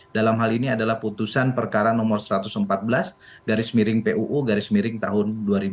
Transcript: dalam hal ini adalah putusan perkara nomor satu ratus empat belas garis miring puu garis miring tahun dua ribu dua puluh